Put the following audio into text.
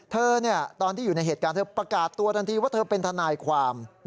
ตอนที่อยู่ในเหตุการณ์เธอประกาศตัวทันทีว่าเธอเป็นทนายความ